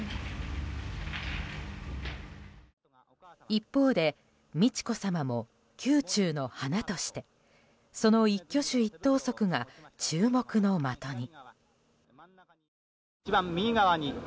一方で、美智子さまも宮中の花としてその一挙手一投足が注目の的に。